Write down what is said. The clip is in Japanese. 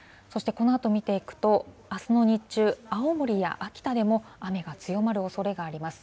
そして、このあと見ていくと、あすの日中、青森や秋田でも、雨が強まるおそれがあります。